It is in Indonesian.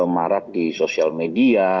marak di sosial media